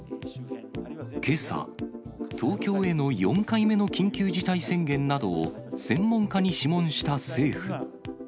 けさ、東京への４回目の緊急事態宣言などを専門家に諮問した政府。